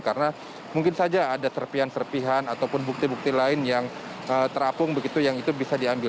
karena mungkin saja ada serpian serpian ataupun bukti bukti lain yang terapung begitu yang itu bisa diambil